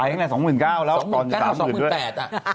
ไปตั้งแต่๒๙๐๐๐บาทแล้วก่อน๓๐๐๐๐บาทด้วย๒๘๐๐๐บาทอ่ะ